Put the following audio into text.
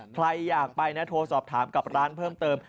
ใครอยากไปนะโทรสอบถามกับร้านเพิ่มเติม